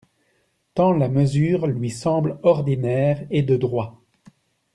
Tant la mesure lui semble ordinaire et de droit!